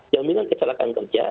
jaminan kecelakaan kerja